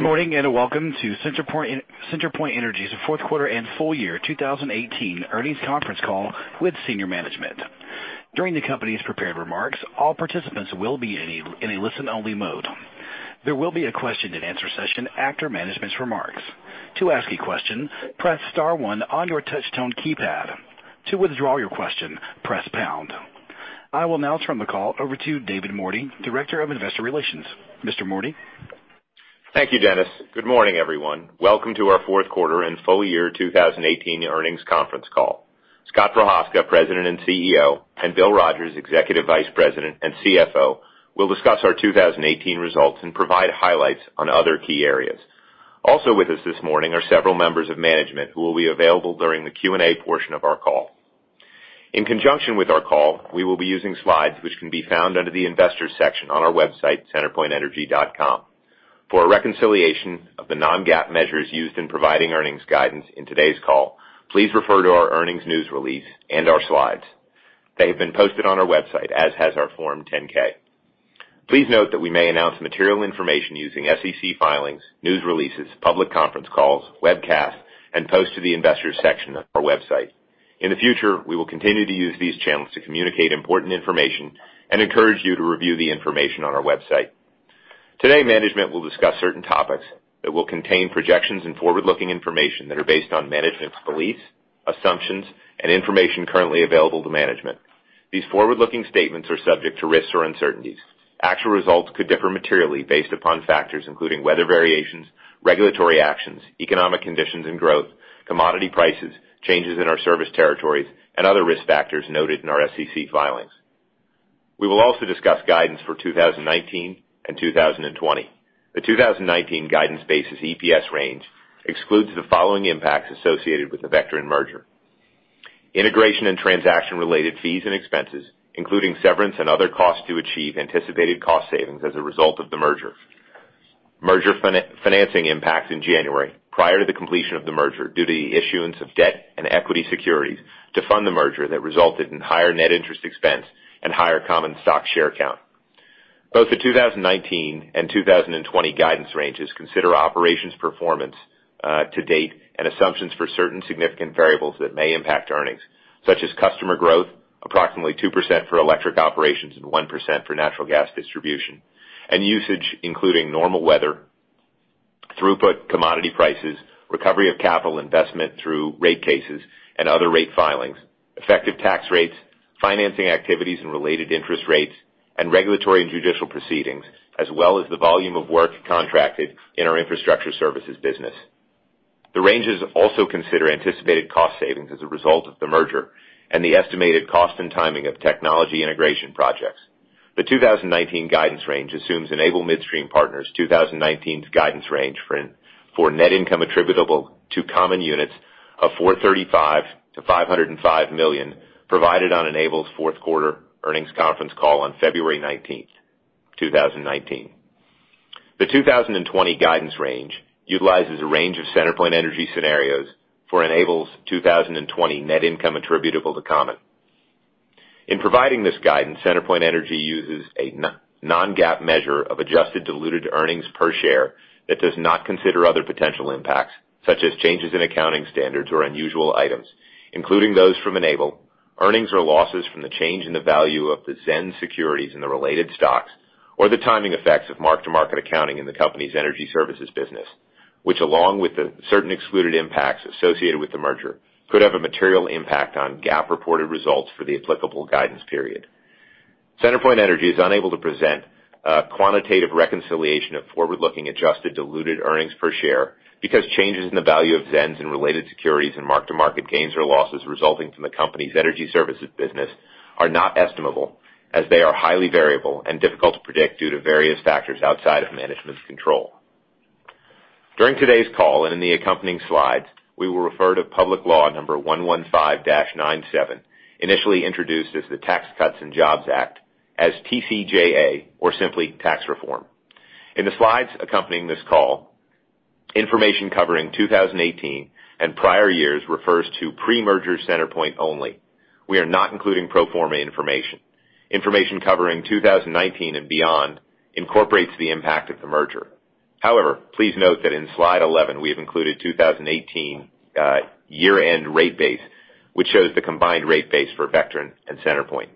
Good morning, welcome to CenterPoint Energy's fourth quarter and full year 2018 earnings conference call with senior management. During the company's prepared remarks, all participants will be in a listen-only mode. There will be a question and answer session after management's remarks. To ask a question, press star one on your touch tone keypad. To withdraw your question, press pound. I will now turn the call over to David Mordy, director of investor relations. Mr. Mordy? Thank you, Dennis. Good morning, everyone. Welcome to our fourth quarter and full year 2018 earnings conference call. Scott Prochazka, President and CEO, and Bill Rogers, Executive Vice President and CFO, will discuss our 2018 results and provide highlights on other key areas. Also with us this morning are several members of management who will be available during the Q&A portion of our call. In conjunction with our call, we will be using slides which can be found under the investors section on our website, centerpointenergy.com. For a reconciliation of the non-GAAP measures used in providing earnings guidance in today's call, please refer to our earnings news release and our slides. They have been posted on our website, as has our Form 10-K. Please note that we may announce material information using SEC filings, news releases, public conference calls, webcasts, and posts to the investors section of our website. In the future, we will continue to use these channels to communicate important information and encourage you to review the information on our website. Today, management will discuss certain topics that will contain projections and forward-looking information that are based on management's beliefs, assumptions, and information currently available to management. These forward-looking statements are subject to risks or uncertainties. Actual results could differ materially based upon factors including weather variations, regulatory actions, economic conditions and growth, commodity prices, changes in our service territories, and other risk factors noted in our SEC filings. We will also discuss guidance for 2019 and 2020. The 2019 guidance basis EPS range excludes the following impacts associated with the Vectren merger: integration and transaction-related fees and expenses, including severance and other costs to achieve anticipated cost savings as a result of the merger financing impacts in January prior to the completion of the merger due to the issuance of debt and equity securities to fund the merger that resulted in higher net interest expense and higher common stock share count. Both the 2019 and 2020 guidance ranges consider operations performance to date and assumptions for certain significant variables that may impact earnings, such as customer growth, approximately 2% for electric operations and 1% for natural gas distribution, and usage including normal weather, throughput commodity prices, recovery of capital investment through rate cases and other rate filings, effective tax rates, financing activities and related interest rates, and regulatory and judicial proceedings, as well as the volume of work contracted in our Infrastructure Services business. The ranges also consider anticipated cost savings as a result of the merger and the estimated cost and timing of technology integration projects. The 2019 guidance range assumes Enable Midstream Partners' 2019 guidance range for net income attributable to common units of $435-$505 million provided on Enable's fourth quarter earnings conference call on February 19th, 2019. The 2020 guidance range utilizes a range of CenterPoint Energy scenarios for Enable's 2020 net income attributable to common. In providing this guidance, CenterPoint Energy uses a non-GAAP measure of adjusted diluted earnings per share that does not consider other potential impacts, such as changes in accounting standards or unusual items, including those from Enable, earnings or losses from the change in the value of the ZENS securities in the related stocks, or the timing effects of mark-to-market accounting in the company's Energy Services business, which along with the certain excluded impacts associated with the merger, could have a material impact on GAAP-reported results for the applicable guidance period. CenterPoint Energy is unable to present a quantitative reconciliation of forward-looking adjusted diluted earnings per share because changes in the value of ZENS and related securities and mark-to-market gains or losses resulting from the company's energy services business are not estimable, as they are highly variable and difficult to predict due to various factors outside of management's control. During today's call and in the accompanying slides, we will refer to Public Law number 115-97, initially introduced as the Tax Cuts and Jobs Act as TCJA or simply tax reform. In the slides accompanying this call, information covering 2018 and prior years refers to pre-merger CenterPoint only. We are not including pro forma information. Information covering 2019 and beyond incorporates the impact of the merger. However, please note that in slide 11, we have included 2018 year-end rate base, which shows the combined rate base for Vectren and CenterPoint.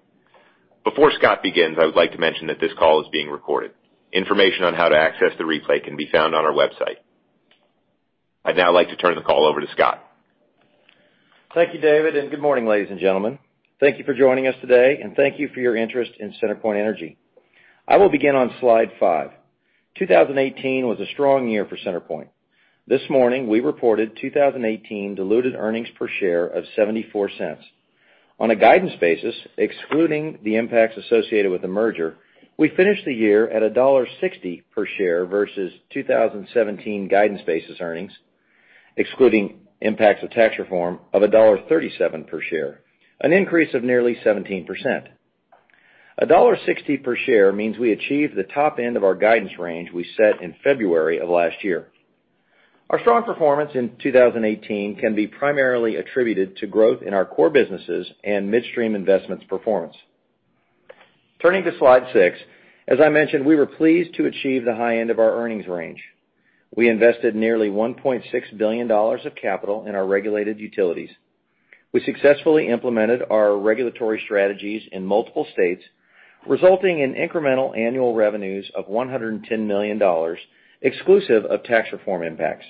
Before Scott begins, I would like to mention that this call is being recorded. Information on how to access the replay can be found on our website. I'd now like to turn the call over to Scott. Thank you, David, and good morning, ladies and gentlemen. Thank you for joining us today, and thank you for your interest in CenterPoint Energy. I will begin on slide five. 2018 was a strong year for CenterPoint. This morning, we reported 2018 diluted earnings per share of $0.74. On a guidance basis, excluding the impacts associated with the merger, we finished the year at $1.60 per share versus 2017 guidance basis earnings, excluding impacts of tax reform of $1.37 per share, an increase of nearly 17%. $1.60 per share means we achieved the top end of our guidance range we set in February of last year. Our strong performance in 2018 can be primarily attributed to growth in our core businesses and midstream investments performance. Turning to slide six. As I mentioned, we were pleased to achieve the high end of our earnings range. We invested nearly $1.6 billion of capital in our regulated utilities. We successfully implemented our regulatory strategies in multiple states, resulting in incremental annual revenues of $110 million, exclusive of tax reform impacts.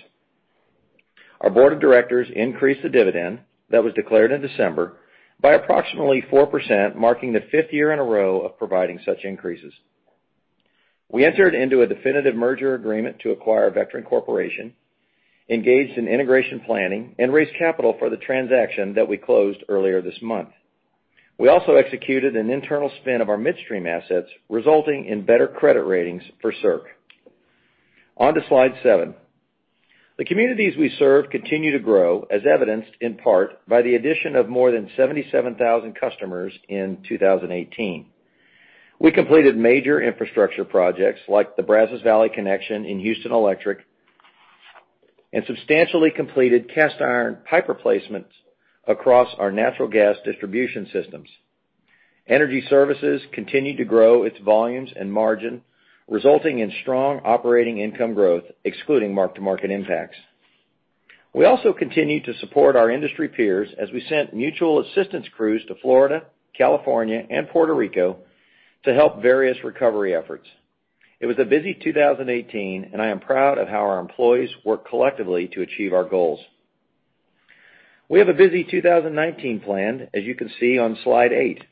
Our board of directors increased the dividend that was declared in December by approximately 4%, marking the fifth year in a row of providing such increases. We entered into a definitive merger agreement to acquire Vectren Corporation, engaged in integration planning, and raised capital for the transaction that we closed earlier this month. We also executed an internal spin of our midstream assets, resulting in better credit ratings for CERC. On to slide seven. The communities we serve continue to grow, as evidenced in part by the addition of more than 77,000 customers in 2018. We completed major infrastructure projects, like the Brazos Valley Connection in Houston Electric, and substantially completed cast iron pipe replacements across our natural gas distribution systems. Energy services continued to grow its volumes and margin, resulting in strong operating income growth, excluding mark-to-market impacts. We also continued to support our industry peers as we sent mutual assistance crews to Florida, California, and Puerto Rico to help various recovery efforts. It was a busy 2018, and I am proud of how our employees worked collectively to achieve our goals. We have a busy 2019 planned, as you can see on slide eight.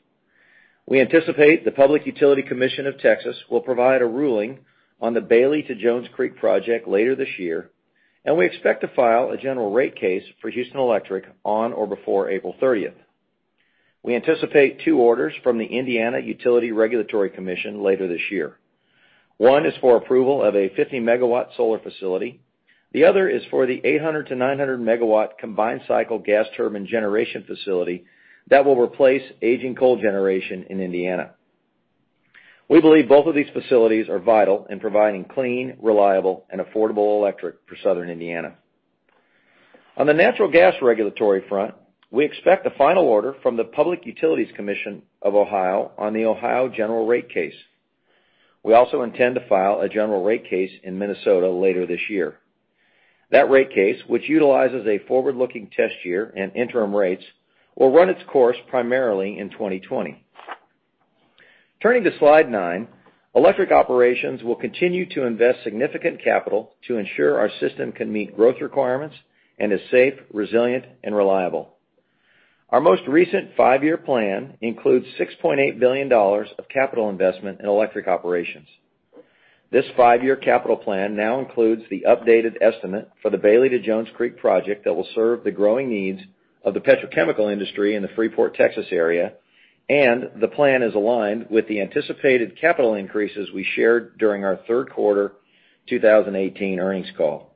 We anticipate the Public Utility Commission of Texas will provide a ruling on the Bailey to Jones Creek project later this year, and we expect to file a general rate case for Houston Electric on or before April 30th. We anticipate two orders from the Indiana Utility Regulatory Commission later this year. One is for approval of a 50 MW solar facility. The other is for the 800-900 MW combined cycle gas turbine generation facility that will replace aging coal generation in Indiana. We believe both of these facilities are vital in providing clean, reliable, and affordable electric for southern Indiana. On the natural gas regulatory front, we expect a final order from the Public Utilities Commission of Ohio on the Ohio general rate case. We also intend to file a general rate case in Minnesota later this year. That rate case, which utilizes a forward-looking test year and interim rates, will run its course primarily in 2020. Turning to slide nine. Electric operations will continue to invest significant capital to ensure our system can meet growth requirements and is safe, resilient, and reliable. Our most recent five-year plan includes $6.8 billion of capital investment in electric operations. This five-year capital plan now includes the updated estimate for the Bailey to Jones Creek project that will serve the growing needs of the petrochemical industry in the Freeport, Texas, area. The plan is aligned with the anticipated capital increases we shared during our third quarter 2018 earnings call.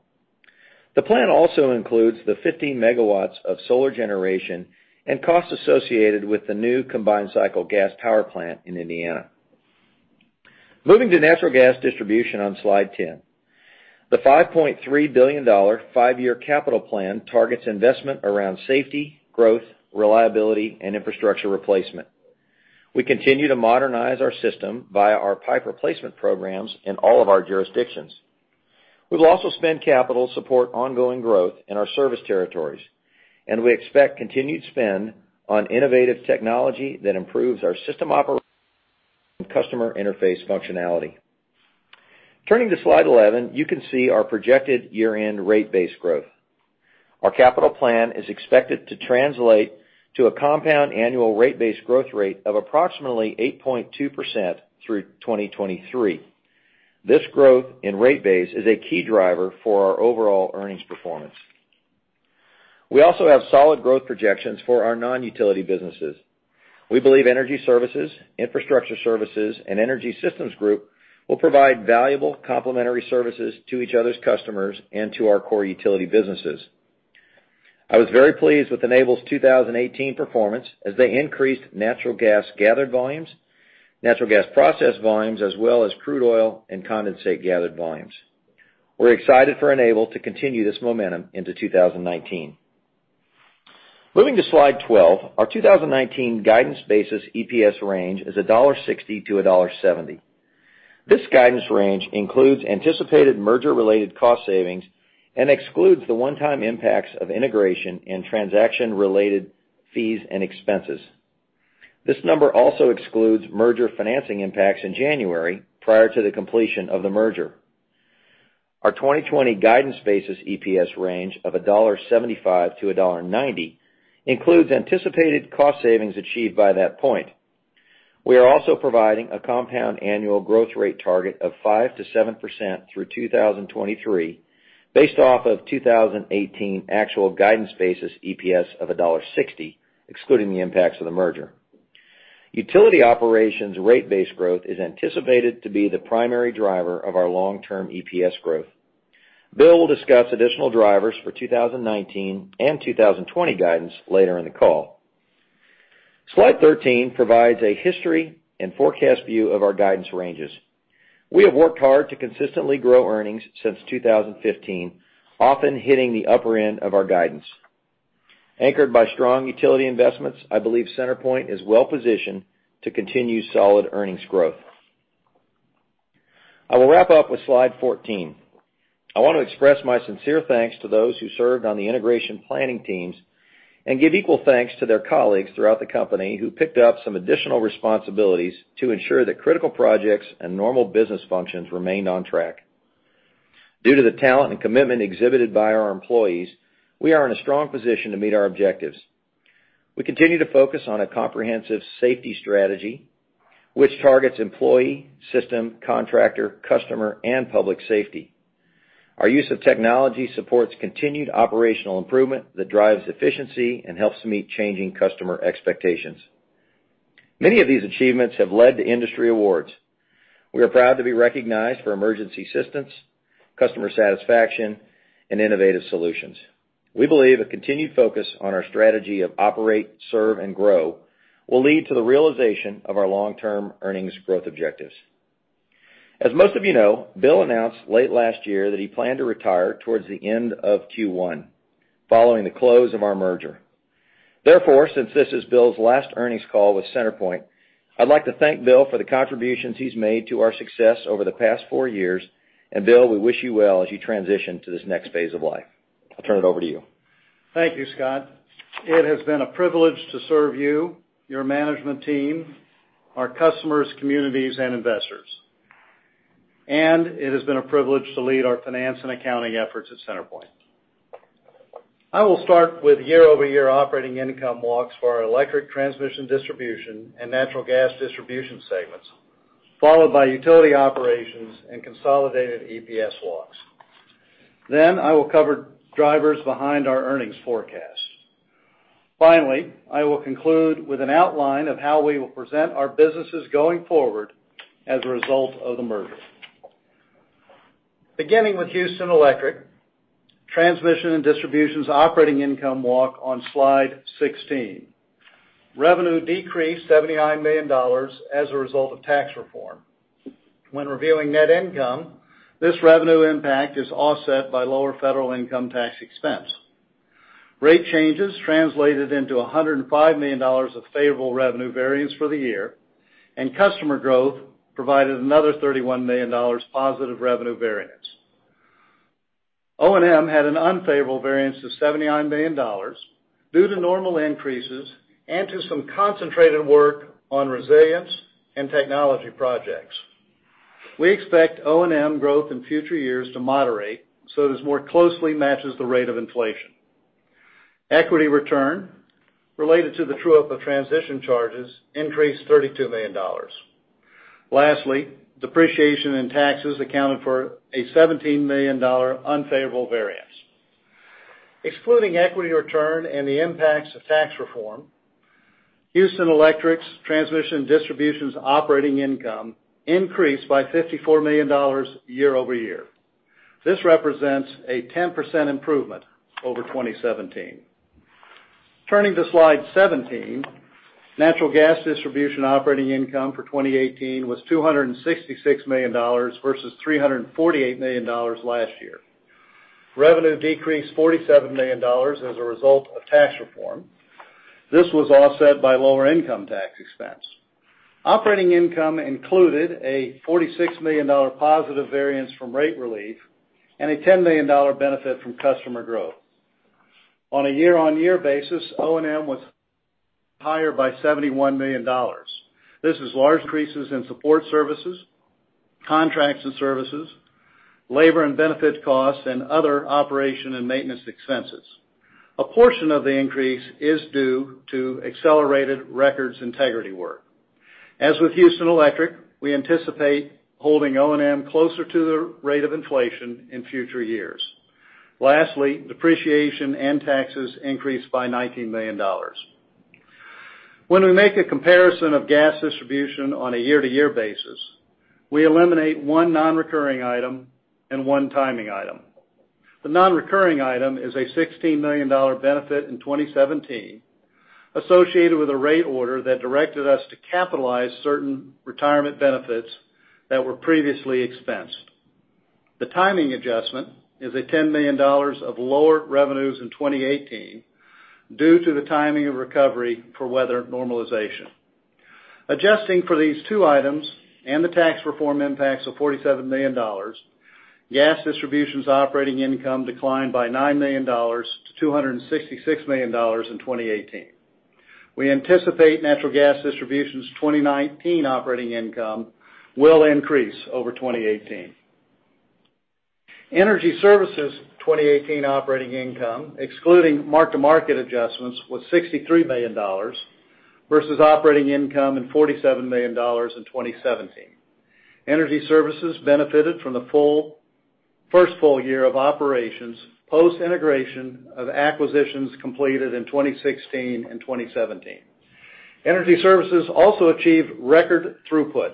The plan also includes the 15 megawatts of solar generation and costs associated with the new combined cycle gas power plant in Indiana. Moving to natural gas distribution on slide 10, the $5.3 billion five-year capital plan targets investment around safety, growth, reliability, and infrastructure replacement. We continue to modernize our system via our pipe replacement programs in all of our jurisdictions. We'll also spend capital support ongoing growth in our service territories, and we expect continued spend on innovative technology that improves our system customer interface functionality. Turning to slide 11, you can see our projected year-end rate base growth. Our capital plan is expected to translate to a compound annual rate base growth rate of approximately 8.2% through 2023. This growth in rate base is a key driver for our overall earnings performance. We also have solid growth projections for our non-utility businesses. We believe energy services, infrastructure services, and Energy Systems Group will provide valuable complementary services to each other's customers and to our core utility businesses. I was very pleased with Enable's 2018 performance as they increased natural gas gathered volumes, natural gas processed volumes, as well as crude oil and condensate gathered volumes. We're excited for Enable to continue this momentum into 2019. Moving to slide 12, our 2019 guidance basis EPS range is $1.60 to $1.70. This guidance range includes anticipated merger-related cost savings and excludes the one-time impacts of integration and transaction-related fees and expenses. This number also excludes merger financing impacts in January prior to the completion of the merger. Our 2020 guidance basis EPS range of $1.75 to $1.90 includes anticipated cost savings achieved by that point. We are also providing a compound annual growth rate target of 5%-7% through 2023 based off of 2018 actual guidance basis EPS of $1.60, excluding the impacts of the merger. Utility operations rate base growth is anticipated to be the primary driver of our long-term EPS growth. Bill will discuss additional drivers for 2019 and 2020 guidance later in the call. Slide 13 provides a history and forecast view of our guidance ranges. We have worked hard to consistently grow earnings since 2015, often hitting the upper end of our guidance. Anchored by strong utility investments, I believe CenterPoint is well-positioned to continue solid earnings growth. I will wrap up with slide 14. I want to express my sincere thanks to those who served on the integration planning teams and give equal thanks to their colleagues throughout the company who picked up some additional responsibilities to ensure that critical projects and normal business functions remained on track. Due to the talent and commitment exhibited by our employees, we are in a strong position to meet our objectives. We continue to focus on a comprehensive safety strategy, which targets employee, system, contractor, customer, and public safety. Our use of technology supports continued operational improvement that drives efficiency and helps to meet changing customer expectations. Many of these achievements have led to industry awards. We are proud to be recognized for emergency assistance, customer satisfaction, and innovative solutions. We believe a continued focus on our strategy of operate, serve, and grow will lead to the realization of our long-term earnings growth objectives. As most of you know, Bill announced late last year that he planned to retire towards the end of Q1, following the close of our merger. Therefore, since this is Bill's last earnings call with CenterPoint, I'd like to thank Bill for the contributions he's made to our success over the past four years. Bill, we wish you well as you transition to this next phase of life. I'll turn it over to you. Thank you, Scott. It has been a privilege to serve you, your management team, our customers, communities, and investors. It has been a privilege to lead our finance and accounting efforts at CenterPoint. I will start with year-over-year operating income walks for our electric transmission distribution and natural gas distribution segments, followed by utility operations and consolidated EPS walks. I will cover drivers behind our earnings forecast. I will conclude with an outline of how we will present our businesses going forward as a result of the merger. Beginning with Houston Electric, transmission and distributions operating income walk on Slide 16. Revenue decreased $79 million as a result of tax reform. When reviewing net income, this revenue impact is offset by lower federal income tax expense. Rate changes translated into $105 million of favorable revenue variance for the year. Customer growth provided another $31 million positive revenue variance. O&M had an unfavorable variance of $79 million due to normal increases and to some concentrated work on resilience and technology projects. We expect O&M growth in future years to moderate so this more closely matches the rate of inflation. Equity return related to the true-up of transition charges increased $32 million. Lastly, depreciation and taxes accounted for a $17 million unfavorable variance. Excluding equity return and the impacts of tax reform, Houston Electric's transmission and distributions operating income increased by $54 million year-over-year. This represents a 10% improvement over 2017. Turning to Slide 17, natural gas distribution operating income for 2018 was $266 million versus $348 million last year. Revenue decreased $47 million as a result of tax reform. This was offset by lower income tax expense. Operating income included a $46 million positive variance from rate relief and a $10 million benefit from customer growth. On a year-on-year basis, O&M was higher by $71 million. This is large increases in support services, contracts and services, labor and benefit costs, and other operation and maintenance expenses. A portion of the increase is due to accelerated records integrity work. As with Houston Electric, we anticipate holding O&M closer to the rate of inflation in future years. Lastly, depreciation and taxes increased by $19 million. When we make a comparison of gas distribution on a year-to-year basis, we eliminate one non-recurring item and one timing item. The non-recurring item is a $16 million benefit in 2017 associated with a rate order that directed us to capitalize certain retirement benefits that were previously expensed. The timing adjustment is a $10 million of lower revenues in 2018 due to the timing of recovery for weather normalization. Adjusting for these two items and the tax reform impacts of $47 million, gas distributions operating income declined by $9 million to $266 million in 2018. We anticipate natural gas distributions 2019 operating income will increase over 2018. Energy Services 2018 operating income, excluding market-to-market adjustments, was $63 million versus operating income in $47 million in 2017. Energy Services benefited from the first full year of operations post-integration of acquisitions completed in 2016 and 2017. Energy Services also achieved record throughput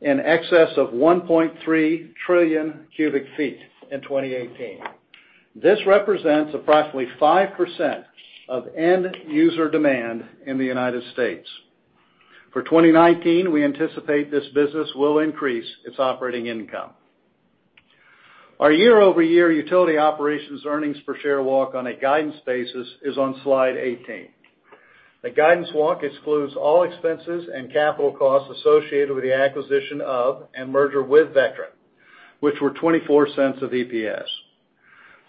in excess of 1.3 trillion cubic feet in 2018. This represents approximately 5% of end user demand in the U.S. For 2019, we anticipate this business will increase its operating income. Our year-over-year utility operations earnings per share walk on a guidance basis is on slide 18. The guidance walk excludes all expenses and capital costs associated with the acquisition of and merger with Vectren, which were $0.24 of EPS.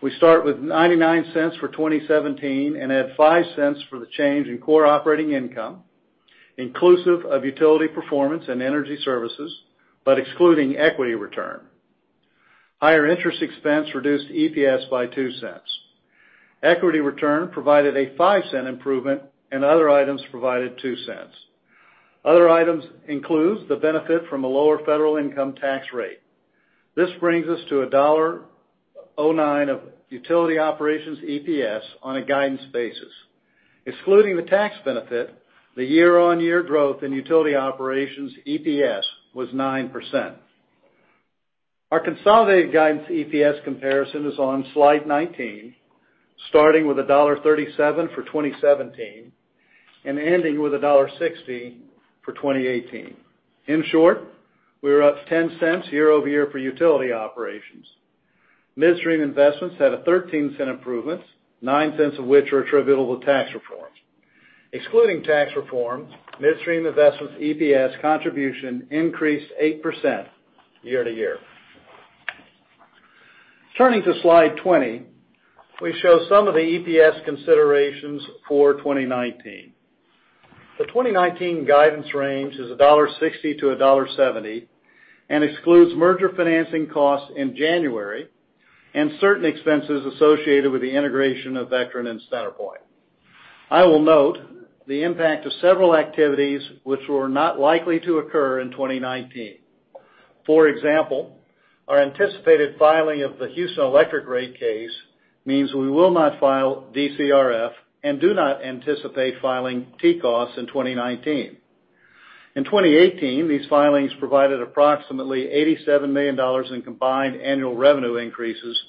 We start with $0.99 for 2017 and add $0.05 for the change in core operating income, inclusive of utility performance and energy services, but excluding equity return. Higher interest expense reduced EPS by $0.02. Equity return provided a $0.05 improvement and other items provided $0.02. Other items includes the benefit from a lower federal income tax rate. This brings us to $1.09 of utility operations EPS on a guidance basis. Excluding the tax benefit, the year-on-year growth in utility operations EPS was 9%. Our consolidated guidance EPS comparison is on slide 19, starting with $1.37 for 2017 and ending with $1.60 for 2018. In short, we were up $0.10 year-over-year for utility operations. Midstream investments had a $0.13 improvements, $0.09 of which are attributable to tax reforms. Excluding tax reforms, Midstream investments EPS contribution increased 8% year-to-year. Turning to slide 20, we show some of the EPS considerations for 2019. The 2019 guidance range is $1.60-$1.70 and excludes merger financing costs in January and certain expenses associated with the integration of Vectren and CenterPoint. I will note the impact of several activities which were not likely to occur in 2019. For example, our anticipated filing of the Houston Electric rate case means we will not file DCRF and do not anticipate filing TCOS in 2019. In 2018, these filings provided approximately $87 million in combined annual revenue increases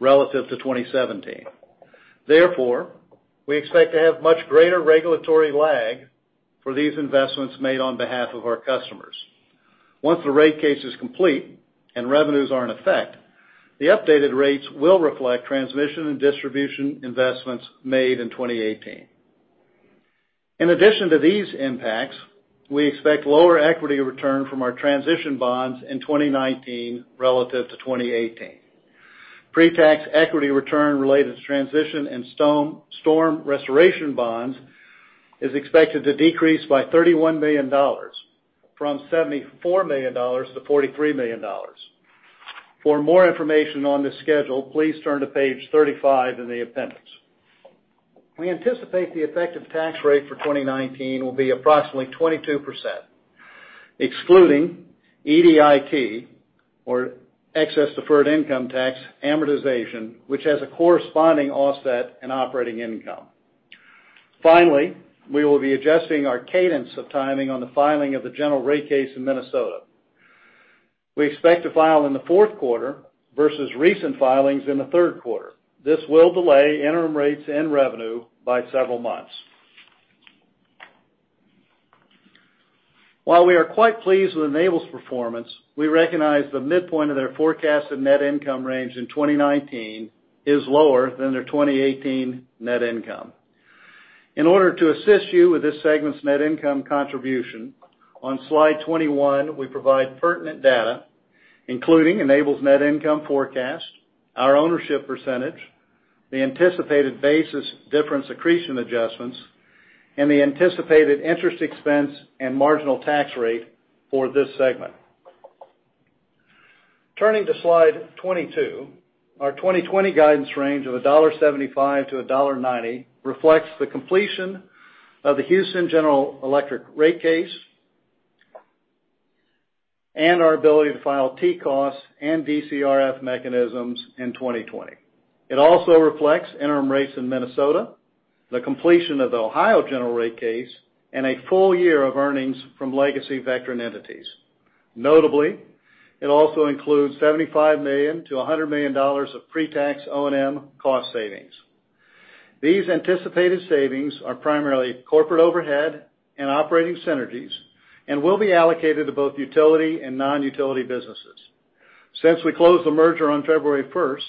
relative to 2017. Therefore, we expect to have much greater regulatory lag for these investments made on behalf of our customers. Once the rate case is complete and revenues are in effect, the updated rates will reflect transmission and distribution investments made in 2018. In addition to these impacts, we expect lower equity return from our transition bonds in 2019 relative to 2018. Pre-tax equity return related to transition and storm restoration bonds is expected to decrease by $31 million from $74 million to $43 million. For more information on this schedule, please turn to page 35 in the appendix. We anticipate the effective tax rate for 2019 will be approximately 22%, excluding EDIT or excess deferred income tax amortization, which has a corresponding offset in operating income. Finally, we will be adjusting our cadence of timing on the filing of the general rate case in Minnesota. We expect to file in the fourth quarter versus recent filings in the third quarter. This will delay interim rates and revenue by several months. While we are quite pleased with Enable's performance, we recognize the midpoint of their forecasted net income range in 2019 is lower than their 2018 net income. In order to assist you with this segment's net income contribution, on slide 21, we provide pertinent data, including Enable's net income forecast, our ownership percentage, the anticipated basis difference accretion adjustments, and the anticipated interest expense and marginal tax rate for this segment. Turning to slide 22, our 2020 guidance range of $1.75 to $1.90 reflects the completion of the Houston Electric rate case and our ability to file TCOS and DCRF mechanisms in 2020. It also reflects interim rates in Minnesota, the completion of the Ohio general rate case, and a full year of earnings from legacy Vectren entities. It also includes $75 million to $100 million of pre-tax O&M cost savings. These anticipated savings are primarily corporate overhead and operating synergies and will be allocated to both utility and non-utility businesses. Since we closed the merger on February 1st,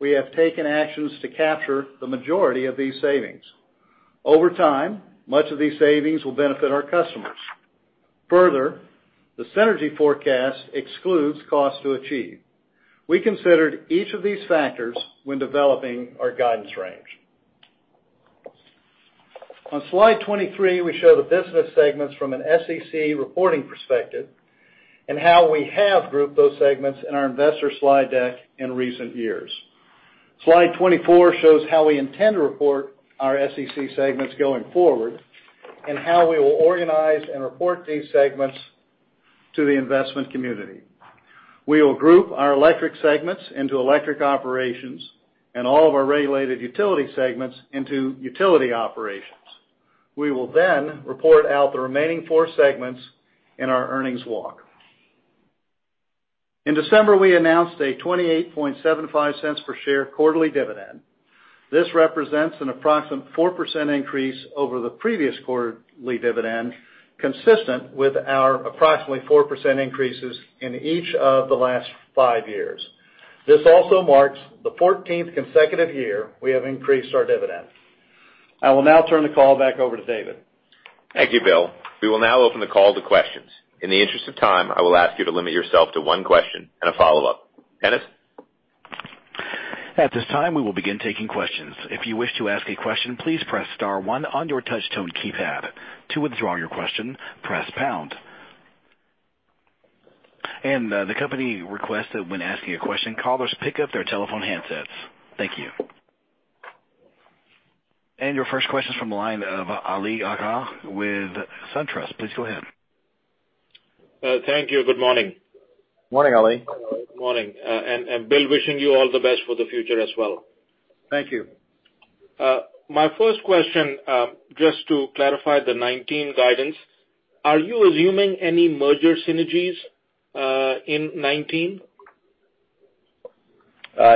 we have taken actions to capture the majority of these savings. Over time, much of these savings will benefit our customers. Further, the synergy forecast excludes cost to achieve. We considered each of these factors when developing our guidance range. On slide 23, we show the business segments from an SEC reporting perspective and how we have grouped those segments in our investor slide deck in recent years. Slide 24 shows how we intend to report our SEC segments going forward and how we will organize and report these segments to the investment community. We will group our electric segments into electric operations and all of our regulated utility segments into utility operations. We will report out the remaining four segments in our earnings walk. In December, we announced a $0.2875 per share quarterly dividend. This represents an approximate 4% increase over the previous quarterly dividend, consistent with our approximately 4% increases in each of the last five years. This also marks the 14th consecutive year we have increased our dividend. I will now turn the call back over to David. Thank you, Bill. We will now open the call to questions. In the interest of time, I will ask you to limit yourself to one question and a follow-up. Dennis? At this time, we will begin taking questions. If you wish to ask a question, please press star one on your touch-tone keypad. To withdraw your question, press pound. The company requests that when asking a question, callers pick up their telephone handsets. Thank you. Your first question's from the line of Ali Agha with SunTrust. Please go ahead. Thank you. Good morning. Morning, Ali. Morning. Bill, wishing you all the best for the future as well. Thank you. My first question, just to clarify the 2019 guidance. Are you assuming any merger synergies in 2019?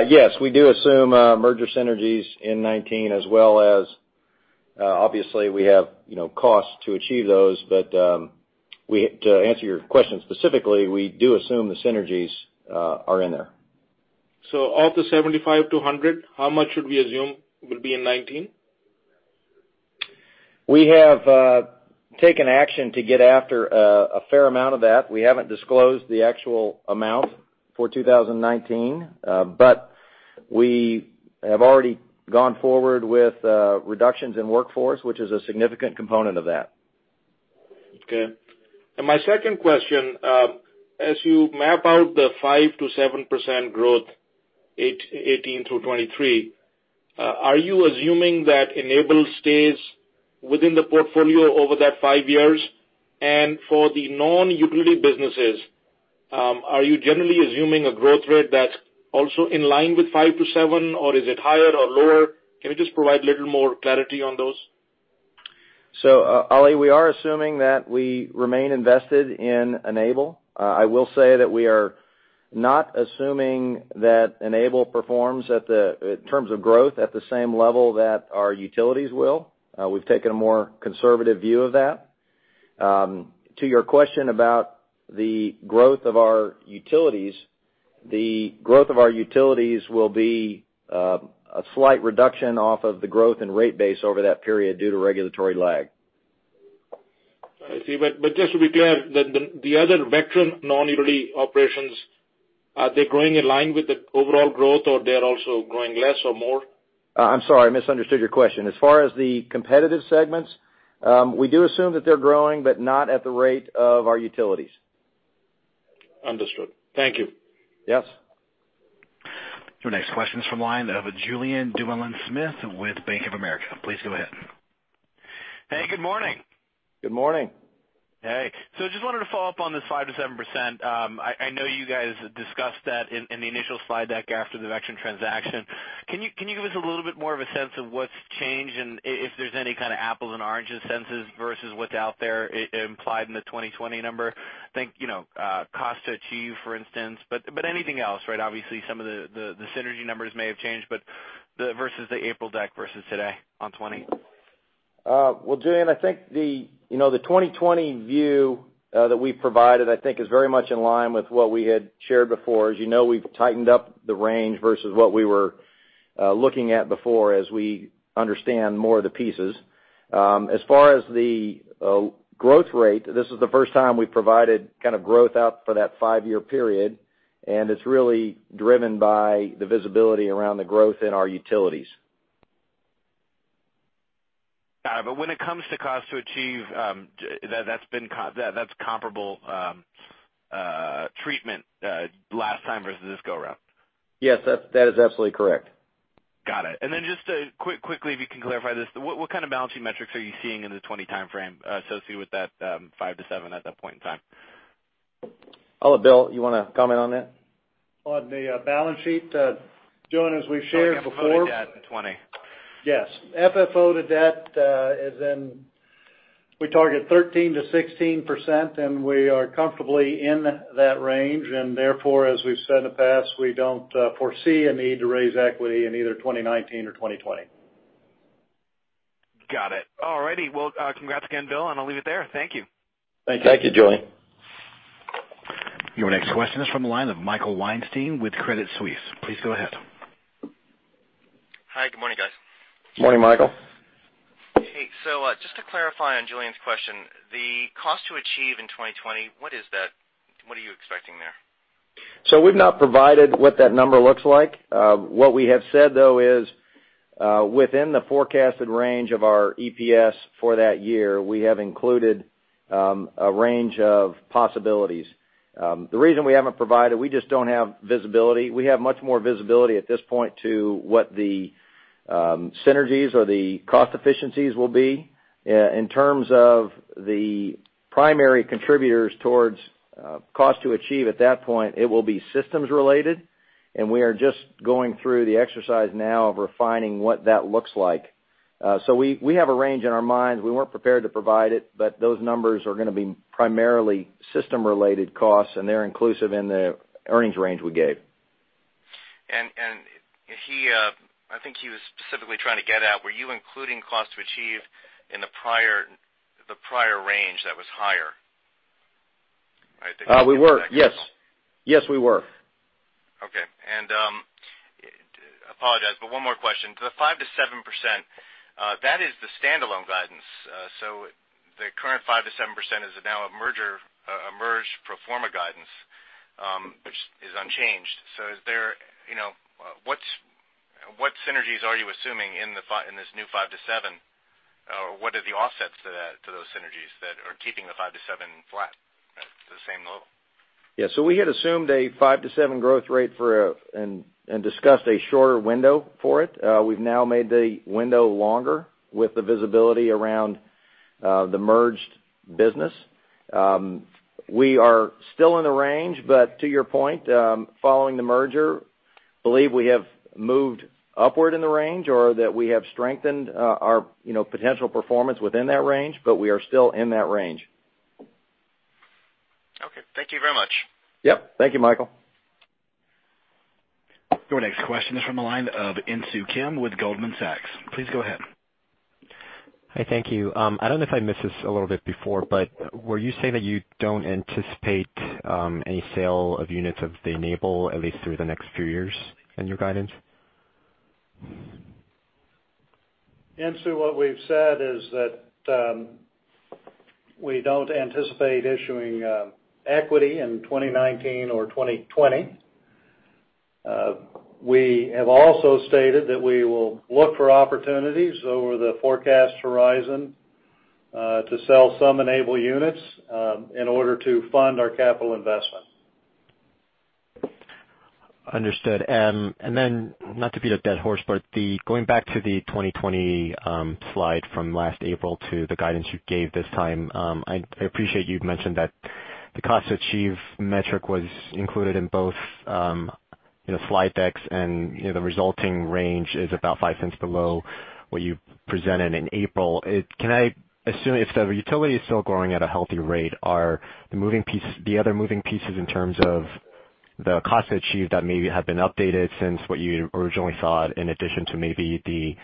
Yes, we do assume merger synergies in 2019 as well as, obviously, we have costs to achieve those. To answer your question specifically, we do assume the synergies are in there. Of the $75-$100, how much should we assume will be in 2019? We have taken action to get after a fair amount of that. We haven't disclosed the actual amount for 2019. We have already gone forward with reductions in workforce, which is a significant component of that. Okay. My second question, as you map out the 5%-7% growth 2018 through 2023, are you assuming that Enable stays within the portfolio over that five years? For the non-utility businesses, are you generally assuming a growth rate that's also in line with five to seven? Is it higher or lower? Can you just provide a little more clarity on those? Ali, we are assuming that we remain invested in Enable. I will say that we are not assuming that Enable performs, in terms of growth, at the same level that our utilities will. We've taken a more conservative view of that. To your question about the growth of our utilities, the growth of our utilities will be a slight reduction off of the growth in rate base over that period due to regulatory lag. I see. Just to be clear, the other Vectren non-utility operations, are they growing in line with the overall growth, or they're also growing less or more? I'm sorry, I misunderstood your question. As far as the competitive segments, we do assume that they're growing, but not at the rate of our utilities. Understood. Thank you. Yes. Your next question is from the line of Julien Dumoulin-Smith with Bank of America. Please go ahead. Hey, good morning. Good morning. Hey. I just wanted to follow up on this 5%-7%. I know you guys discussed that in the initial slide deck after the Vectren transaction. Can you give us a little bit more of a sense of what's changed and if there's any kind of apples and oranges senses versus what's out there implied in the 2020 number? I think cost to achieve, for instance, but anything else. Obviously, some of the synergy numbers may have changed versus the April deck versus today on 2020. Well, Julien, I think the 2020 view that we've provided, I think is very much in line with what we had shared before. As you know, we've tightened up the range versus what we were looking at before as we understand more of the pieces. As far as the growth rate, this is the first time we've provided kind of growth out for that five-year period, and it's really driven by the visibility around the growth in our utilities. Got it. When it comes to cost to achieve, that's comparable treatment last time versus this go around? Yes. That is absolutely correct. Got it. Then just quickly if you can clarify this, what kind of balancing metrics are you seeing in the 2020 timeframe associated with that 5%-7% at that point in time? Ali, Bill, you want to comment on that? On the balance sheet, Julien, as we've shared before. No, I mean FFO to debt in 2020. Yes. FFO to debt, we target 13%-16%, and we are comfortably in that range. Therefore, as we've said in the past, we don't foresee a need to raise equity in either 2019 or 2020. Got it. All right. Well, congrats again, Bill, and I'll leave it there. Thank you. Thank you. Thank you, Julien. Your next question is from the line of Michael Weinstein with Credit Suisse. Please go ahead. Hi. Good morning, guys. Morning, Michael. Hey. Just to clarify on Julien's question, the cost to achieve in 2020, what is that? What are you expecting there? We've not provided what that number looks like. What we have said, though, is within the forecasted range of our EPS for that year, we have included a range of possibilities. The reason we haven't provided, we just don't have visibility. We have much more visibility at this point to what the synergies or the cost efficiencies will be. In terms of the primary contributors towards cost to achieve at that point, it will be systems related, and we are just going through the exercise now of refining what that looks like. So we have a range in our minds. We weren't prepared to provide it, but those numbers are going to be primarily system-related costs, and they're inclusive in the earnings range we gave. I think he was specifically trying to get at, were you including cost to achieve in the prior range that was higher? We were, yes. Yes, we were. I apologize, one more question. The 5%-7%, that is the standalone guidance. The current 5%-7% is now a merged pro forma guidance, which is unchanged. What synergies are you assuming in this new 5%-7%? Or what are the offsets to those synergies that are keeping the 5%-7% flat at the same level? We had assumed a 5%-7% growth rate and discussed a shorter window for it. We've now made the window longer with the visibility around the merged business. We are still in the range, to your point, following the merger, believe we have moved upward in the range or that we have strengthened our potential performance within that range, but we are still in that range. Thank you very much. Thank you, Michael. Your next question is from the line of Insoo Kim with Goldman Sachs. Please go ahead. Hi, thank you. I don't know if I missed this a little bit before, but were you saying that you don't anticipate any sale of units of Enable at least through the next few years in your guidance? Insoo, what we've said is that we don't anticipate issuing equity in 2019 or 2020. We have also stated that we will look for opportunities over the forecast horizon to sell some Enable units in order to fund our capital investment. Understood. Then, not to beat a dead horse, but going back to the 2020 slide from last April to the guidance you gave this time. I appreciate you've mentioned that the cost to achieve metric was included in both slide decks, and the resulting range is about $0.05 below what you presented in April. Can I assume if the utility is still growing at a healthy rate, are the other moving pieces in terms of the cost to achieve that maybe have been updated since what you originally thought, in addition to maybe the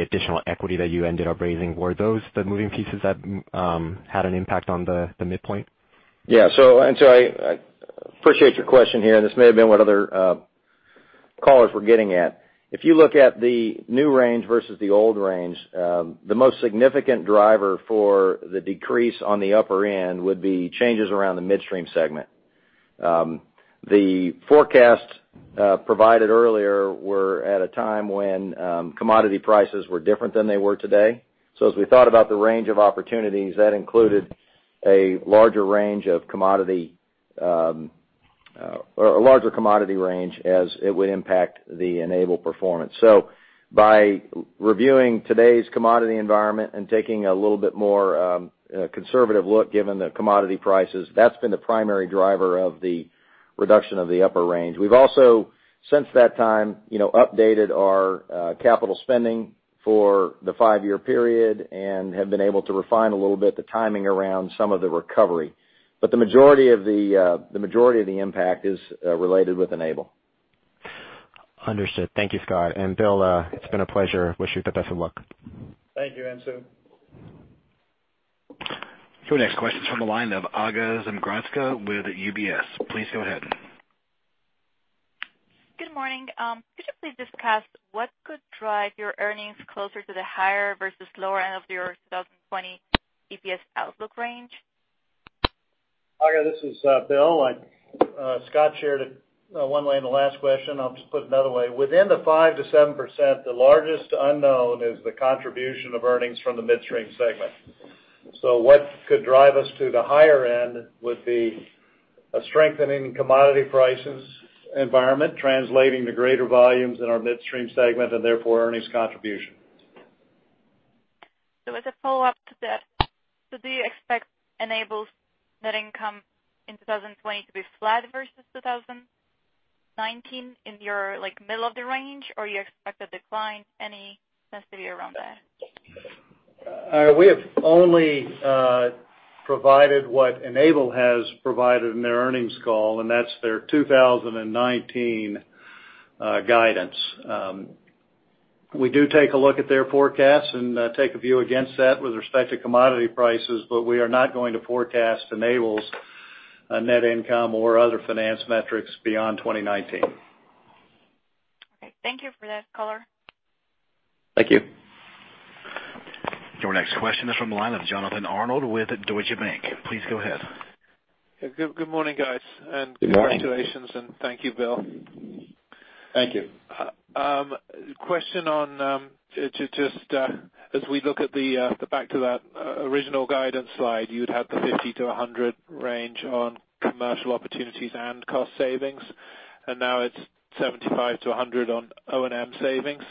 additional equity that you ended up raising? Were those the moving pieces that had an impact on the midpoint? Yeah. I appreciate your question here, and this may have been what other callers were getting at. If you look at the new range versus the old range, the most significant driver for the decrease on the upper end would be changes around the midstream segment. The forecasts provided earlier were at a time when commodity prices were different than they were today. As we thought about the range of opportunities, that included a larger commodity range as it would impact the Enable performance. By reviewing today's commodity environment and taking a little bit more conservative look given the commodity prices, that's been the primary driver of the reduction of the upper range. We've also, since that time, updated our capital spending for the five-year period and have been able to refine a little bit the timing around some of the recovery. The majority of the impact is related with Enable. Understood. Thank you, Scott. Bill, it's been a pleasure. Wish you the best of luck. Thank you, Insoo. Your next question is from the line of Aga Zmigrodzka with UBS. Please go ahead. Good morning. Could you please discuss what could drive your earnings closer to the higher versus lower end of your 2020 EPS outlook range? Aga, this is Bill. Scott shared it one way in the last question, I'll just put another way. Within the 5%-7%, the largest unknown is the contribution of earnings from the midstream segment. What could drive us to the higher end would be a strengthening commodity prices environment translating to greater volumes in our midstream segment, and therefore, earnings contribution. As a follow-up to that, so do you expect Enable's net income in 2020 to be flat versus 2019 in your middle of the range, or you expect a decline any sensitivity around that? Aga Zmigrodzka, we have only provided what Enable has provided in their earnings call, and that's their 2019 guidance. We do take a look at their forecast and take a view against that with respect to commodity prices, we are not going to forecast Enable's net income or other finance metrics beyond 2019. Okay. Thank you for that color. Thank you. Your next question is from the line of Jonathan Arnold with Deutsche Bank. Please go ahead. Good morning, guys. Good morning. Congratulations, and thank you, Bill. Thank you. Question on, just as we look at the back to that original guidance slide, you'd had the 50-100 range on commercial opportunities and cost savings, and now it's 75-100 on O&M savings.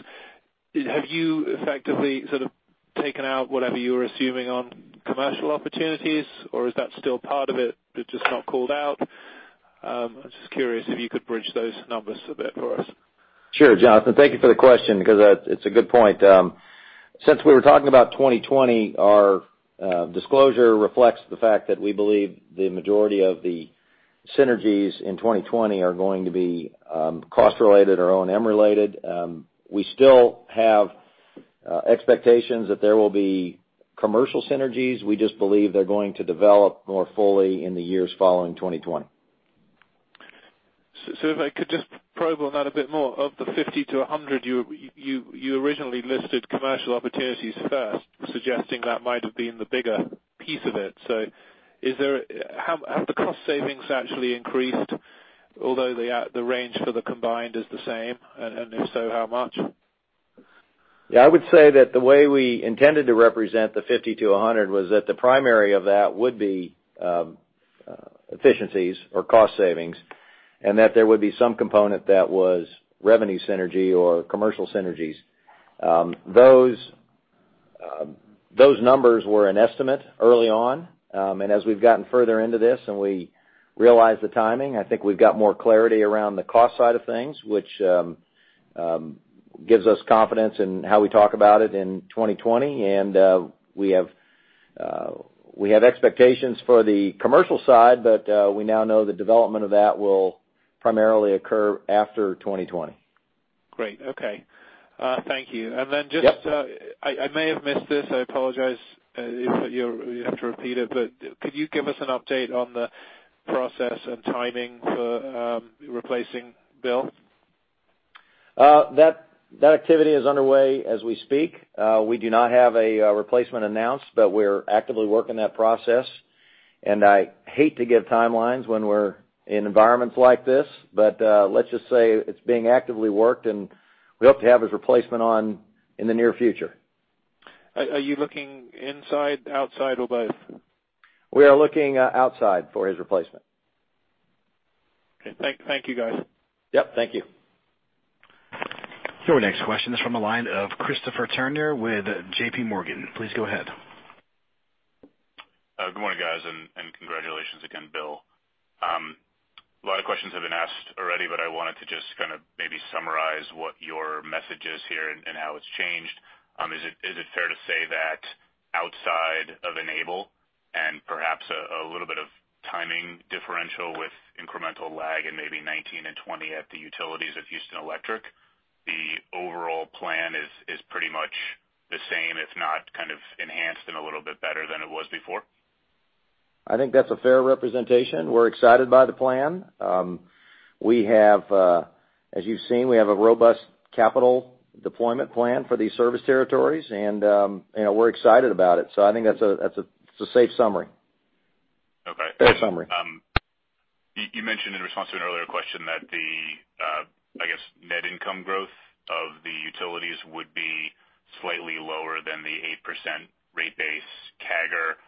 Have you effectively sort of taken out whatever you were assuming on commercial opportunities, or is that still part of it but just not called out? I'm just curious if you could bridge those numbers a bit for us. Sure, Jonathan. Thank you for the question because it's a good point. Since we were talking about 2020, our disclosure reflects the fact that we believe the majority of the synergies in 2020 are going to be cost-related or O&M related. We still have expectations that there will be commercial synergies. We just believe they're going to develop more fully in the years following 2020. If I could just probe on that a bit more. Of the 50-100, you originally listed commercial opportunities first, suggesting that might have been the bigger piece of it. Have the cost savings actually increased, although the range for the combined is the same? If so, how much? I would say that the way we intended to represent the 50-100 was that the primary of that would be efficiencies or cost savings, and that there would be some component that was revenue synergy or commercial synergies. Those numbers were an estimate early on, and as we've gotten further into this and we realize the timing, I think we've got more clarity around the cost side of things, which gives us confidence in how we talk about it in 2020. We have expectations for the commercial side, but we now know the development of that will primarily occur after 2020. Great. Okay. Thank you. Yep. Then just, I may have missed this, I apologize if you have to repeat it, but could you give us an update on the process and timing for replacing Bill? That activity is underway as we speak. We do not have a replacement announced, but we're actively working that process. I hate to give timelines when we're in environments like this, but let's just say it's being actively worked, and we hope to have his replacement on in the near future. Are you looking inside, outside, or both? We are looking outside for his replacement. Okay. Thank you, guys. Yep. Thank you. Your next question is from the line of Christopher Turnure with JP Morgan. Please go ahead. Good morning, guys, and congratulations again, Bill. A lot of questions have been asked already. I wanted to just kind of maybe summarize what your message is here and how it's changed. Is it fair to say that outside of Enable and perhaps a little bit of timing differential with incremental lag in maybe 2019 and 2020 at the utilities of Houston Electric, the overall plan is pretty much the same, if not kind of enhanced and a little bit better than it was before? I think that's a fair representation. We're excited by the plan. As you've seen, we have a robust capital deployment plan for these service territories, we're excited about it. I think that's a safe summary. Okay. Fair summary. You mentioned in response to an earlier question that the, I guess, net income growth of the utilities would be slightly lower than the 8% rate base CAGR.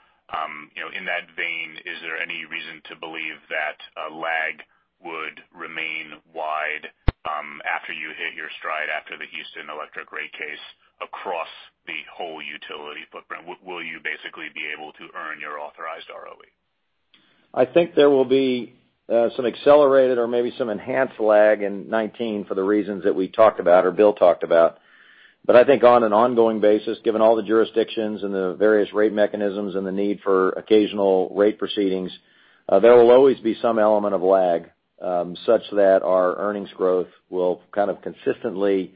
In that vein, is there any reason to believe that a lag would remain wide after you hit your stride after the Houston Electric rate case across the whole utility footprint? Will you basically be able to earn your authorized ROE? I think there will be some accelerated or maybe some enhanced lag in 2019 for the reasons that we talked about, or Bill talked about. I think on an ongoing basis, given all the jurisdictions and the various rate mechanisms and the need for occasional rate proceedings, there will always be some element of lag, such that our earnings growth will kind of consistently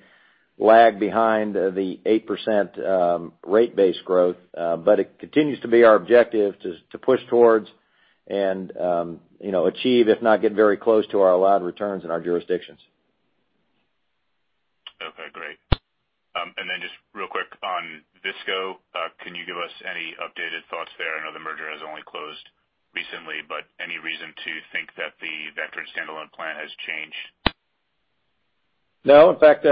lag behind the 8% rate base growth. It continues to be our objective to push towards and achieve, if not get very close to our allowed returns in our jurisdictions. Okay, great. Just real quick on VISCO. Can you give us any updated thoughts there? I know the merger has only closed recently, but any reason to think that the Vectren standalone plan has changed? No. In fact,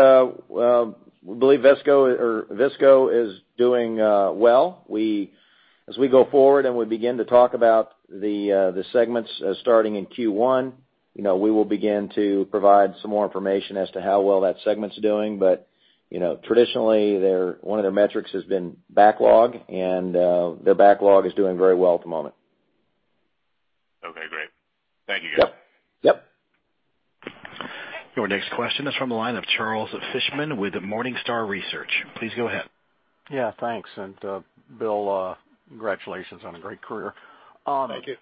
we believe VISCO is doing well. As we go forward and we begin to talk about the segments starting in Q1, we will begin to provide some more information as to how well that segment's doing. Traditionally, one of their metrics has been backlog, and their backlog is doing very well at the moment. Okay, great. Thank you. Yep. Your next question is from the line of Charles Fishman with Morningstar Research. Please go ahead. Yeah, thanks. Bill, congratulations on a great career. Thank you.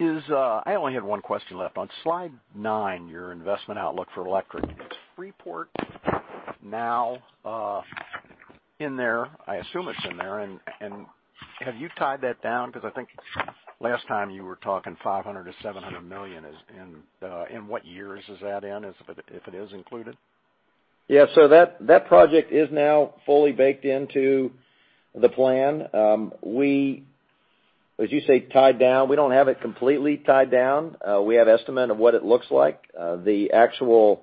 I only had one question left. On slide nine, your investment outlook for electric. Is Freeport now in there? I assume it's in there. Have you tied that down? Because I think last time you were talking $500 million-$700 million. What years is that in, if it is included? Yeah. That project is now fully baked into the plan. As you say, tied down, we don't have it completely tied down. We have estimate of what it looks like. The actual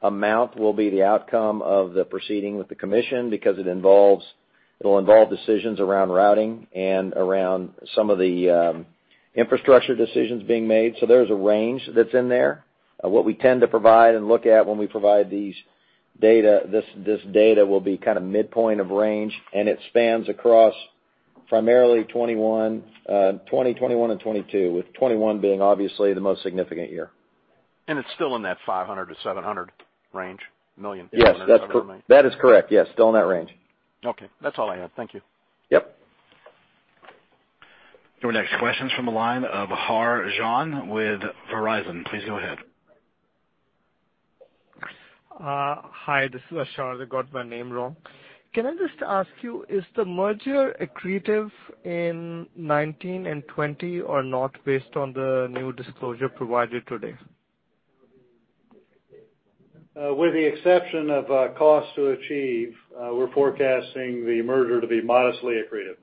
amount will be the outcome of the proceeding with the commission because it'll involve decisions around routing and around some of the infrastructure decisions being made. There's a range that's in there. What we tend to provide and look at when we provide these data, this data will be kind of midpoint of range, and it spans across primarily 2020, 2021, and 2022, with 2021 being obviously the most significant year. It's still in that $500 million-$700 million range. Yes. That is correct. Yes, still in that range. Okay. That's all I had. Thank you. Yep. Your next question's from the line of Sharjeel Kazmi with Evercore. Please go ahead. Hi, this is Ashar. They got my name wrong. Can I just ask you, is the merger accretive in 2019 and 2020 or not, based on the new disclosure provided today? With the exception of cost to achieve, we're forecasting the merger to be modestly accretive.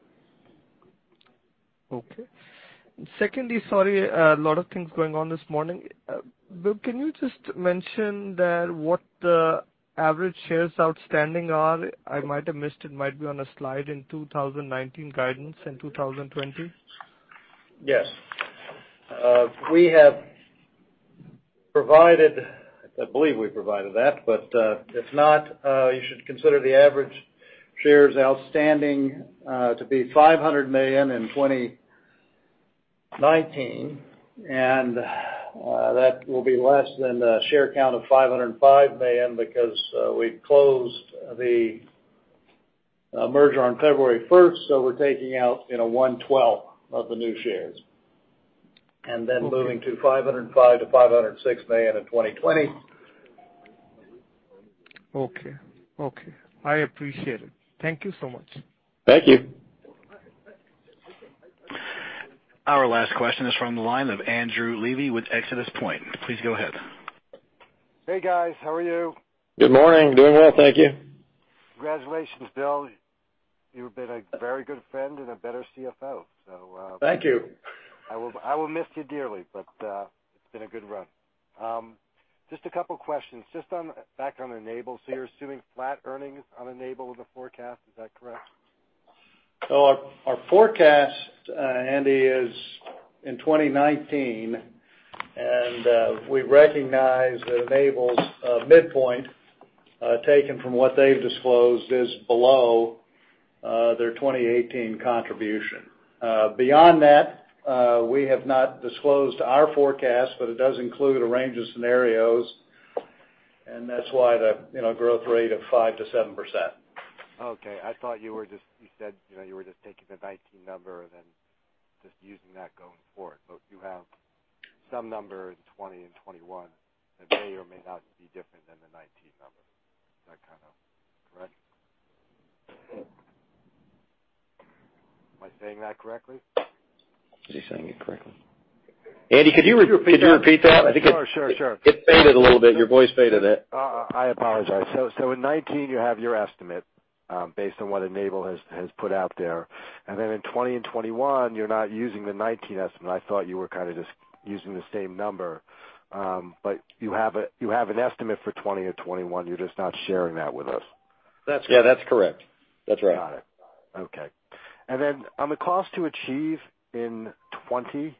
Secondly, sorry, a lot of things going on this morning. Bill, can you just mention what the average shares outstanding are? I might have missed it might be on a slide in 2019 guidance and 2020. Yes. We have provided, I believe we provided that. If not, you should consider the average shares outstanding to be 500 million in 2019, and that will be less than the share count of 505 million because, we closed the merger on February 1st, so we're taking out one twelfth of the new shares. Moving to 505 million-506 million in 2020. Okay. I appreciate it. Thank you so much. Thank you. Our last question is from the line of Andrew Levy with ExodusPoint. Please go ahead. Hey, guys. How are you? Good morning. Doing well, thank you. Congratulations, Bill. You've been a very good friend and a better CFO. Thank you. I will miss you dearly, it's been a good run. Just a couple of questions. Just on back on Enable. You're assuming flat earnings on Enable with the forecast. Is that correct? Our forecast, Andy, is in 2019, and we recognize that Enable's midpoint, taken from what they've disclosed, is below their 2018 contribution. Beyond that, we have not disclosed our forecast, but it does include a range of scenarios, and that's why the growth rate of 5%-7%. Okay. I thought you were just saying you were just taking the 2019 number and then just using that going forward. You have some number in 2020 and 2021 that may or may not be different than the 2019 number. Is that kind of correct? Am I saying that correctly? Is he saying it correctly? Andy, could you repeat that? Sure. It faded a little bit. Your voice faded a bit. I apologize. In 2019, you have your estimate, based on what Enable has put out there. In 2020 and 2021, you're not using the 2019 estimate. I thought you were kind of just using the same number. You have an estimate for 2020 or 2021. You're just not sharing that with us. Yeah, that's correct. That's right. Got it. Okay. On the cost to achieve in 2020,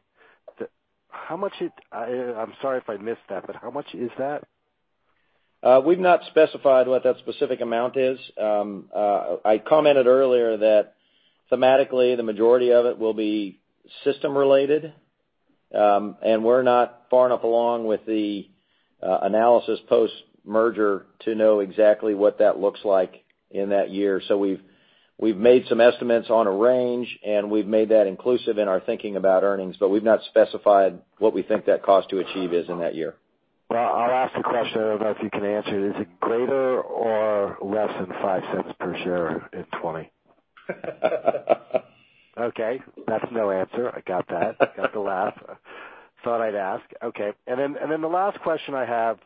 I'm sorry if I missed that, but how much is that? We've not specified what that specific amount is. I commented earlier that thematically, the majority of it will be system related. We're not far enough along with the analysis post-merger to know exactly what that looks like in that year. We've made some estimates on a range, and we've made that inclusive in our thinking about earnings, but we've not specified what we think that cost to achieve is in that year. Well, I'll ask the question. I don't know if you can answer it. Is it greater or less than $0.05 per share in 2020? Okay. That's no answer. I got that. Got the laugh. Thought I'd ask. Okay. The last question I have,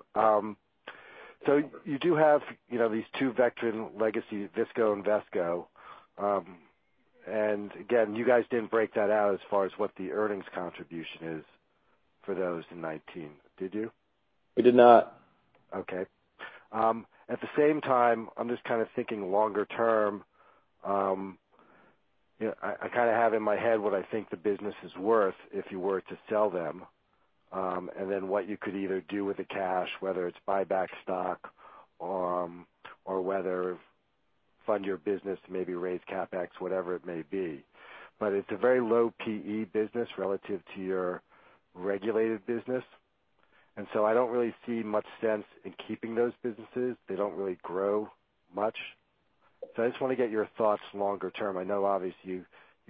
you do have these two Vectren legacies, VISCO and VESCO. Again, you guys didn't break that out as far as what the earnings contribution is for those in 2019, did you? We did not. Okay. At the same time, I'm just kind of thinking longer term. I have in my head what I think the business is worth if you were to sell them, what you could either do with the cash, whether it's buy back stock or whether fund your business, maybe raise CapEx, whatever it may be. It's a very low P/E business relative to your regulated business. I don't really see much sense in keeping those businesses. They don't really grow much. I just want to get your thoughts longer term. I know obviously you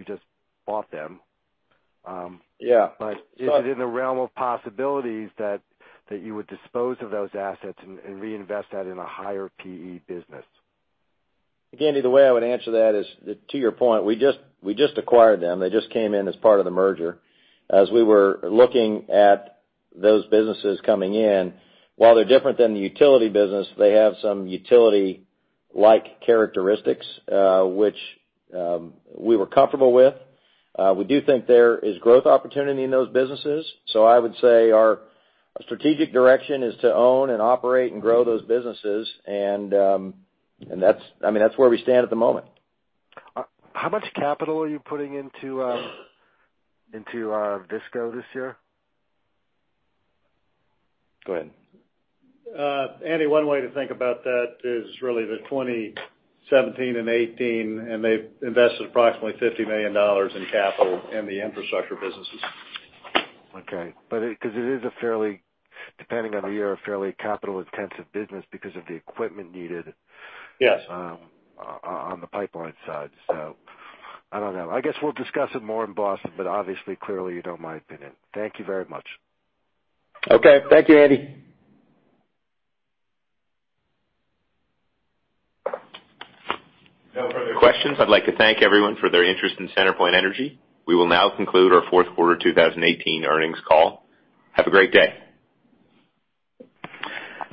just bought them. Yeah. Is it in the realm of possibilities that you would dispose of those assets and reinvest that in a higher P/E business? Again, Andy, the way I would answer that is to your point, we just acquired them. They just came in as part of the merger. As we were looking at those businesses coming in, while they're different than the utility business, they have some utility-like characteristics, which we were comfortable with. We do think there is growth opportunity in those businesses. I would say our strategic direction is to own and operate and grow those businesses. That's where we stand at the moment. How much capital are you putting into VISCO this year? Go ahead. Andy, one way to think about that is really the 2017 and 2018. They've invested approximately $50 million in capital in the infrastructure businesses. Okay. It is a fairly, depending on the year, a fairly capital-intensive business because of the equipment needed. Yes On the pipeline side. I don't know. I guess we'll discuss it more in Boston, but obviously, clearly you know my opinion. Thank you very much. Okay. Thank you, Andy. If no further questions, I'd like to thank everyone for their interest in CenterPoint Energy. We will now conclude our fourth quarter 2018 earnings call. Have a great day.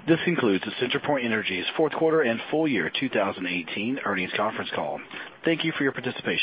This concludes the CenterPoint Energy's fourth quarter and full year 2018 earnings conference call. Thank you for your participation.